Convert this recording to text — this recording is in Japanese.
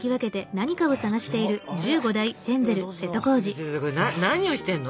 何をしてんの？